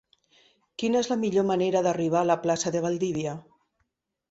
Quina és la millor manera d'arribar a la plaça de Valdivia?